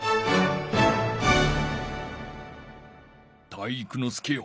体育ノ介よ